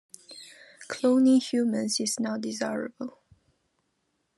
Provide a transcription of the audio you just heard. Cloning humans is not desirable.